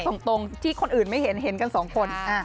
ตรงที่คนอื่นไม่เห็นเห็นกันสองคน